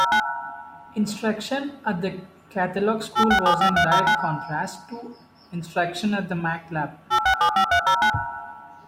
Instruction at the Catholic school was in direct contrast to instruction at the "maktab".